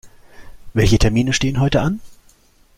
Welche Termine stehen heute an?